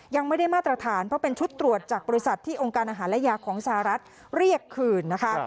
ยังไม่ได้มาตรฐานเพราะเป็นชุดตรวจจากบริษัทที่องค์การอาหารและยาของสหรัฐเรียกคืนนะคะ